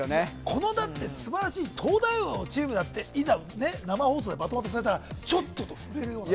このすばらしい東大王のチームだって、いざ生放送でバトン渡されたらちょっとと震えるような。